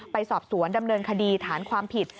ไปสอบสวนดำเนินคดีฐานความผิด